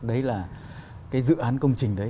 đấy là cái dự án công trình đấy